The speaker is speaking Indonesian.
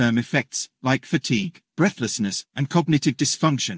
seperti kemampuan kemampuan berat dan kegagalan kognitif